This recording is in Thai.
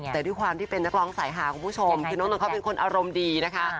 แต่ด้วยความที่เป็นนักร้องสายหาคุณผู้ชมคือน้องนนทเขาเป็นคนอารมณ์ดีนะคะ